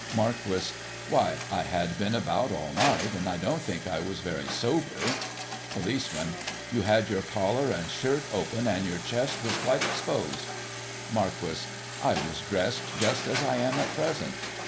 Marquis: Why, I had been about all night, and I don't think I was very sober. Policeman : You had your collar and shirt open, and your chest was quite exposed. Marquis : I was dressed just as I am at present.